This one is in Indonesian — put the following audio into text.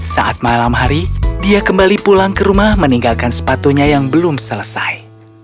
saat malam hari dia kembali pulang ke rumah meninggalkan sepatunya yang belum selesai